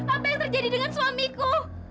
apa yang terjadi dengan suamiku